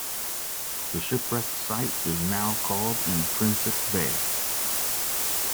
The shipwreck site is now called 'Intrinsic Bay'.